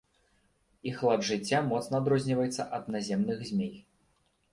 Іх лад жыцця моцна адрозніваецца ад наземных змей.